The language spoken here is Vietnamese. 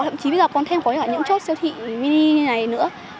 thậm chí bây giờ còn thêm có những chỗ siêu thị mini như này nữa